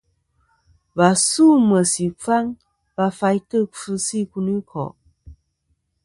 Và su meysì ɨkfaŋ va faytɨ kfɨsɨ ikunikò'.